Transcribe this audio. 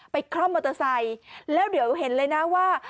คล่อมมอเตอร์ไซค์แล้วเดี๋ยวเห็นเลยนะว่า